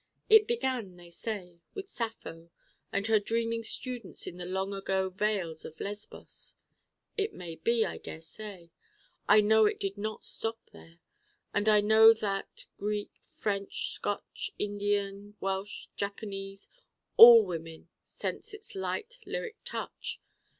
It began, they say, with Sappho and her dreaming students in the long ago vales of Lesbos. It may be, I daresay. I know it did not stop there. And I know that Greek, French, Scotch, Indian Welch Japanese all women sense its light lyric touch.